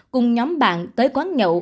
cùng nhóm bạn tới quán nhậu